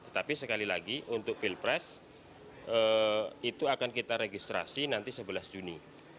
tapi sekali lagi untuk pilpres itu akan kita registrasi nanti sebelas juni